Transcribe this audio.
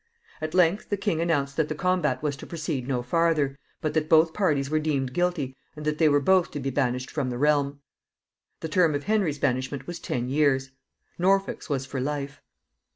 At length the king announced that the combat was to proceed no farther, but that both parties were deemed guilty, and that they were both to be banished from the realm. The term of Henry's banishment was ten years; Norfolk's was for life.